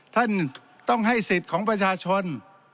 ท่านต้องให้สิทธิ์ของประชาชน